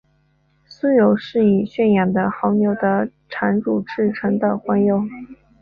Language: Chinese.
酥油是以驯养的牦牛的产乳制成的黄油。